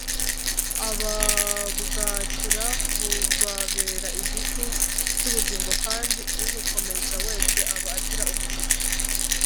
ababwakira bubabera igiti cy’ubugingo; kandi ubukomeza wese aba agira umugisha